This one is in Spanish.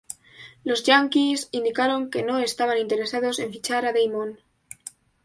Los Yankees indicaron que no estaban interesados en fichar a Damon.